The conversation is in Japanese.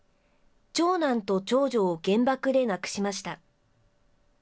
長男と長女を原爆で亡くしました。